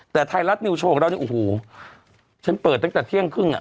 แต่ไทยรัฐนิวโชคแล้วโอ้โหฉันเปิดตั้งแต่เที่ยงครึ่ง